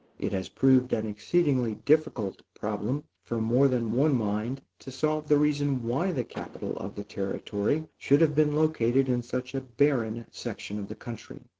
It has proved an exceedingly difficult problem, for more than one mind, to solve the reason why the capital of the Territory should have been located in such a barren section of the country.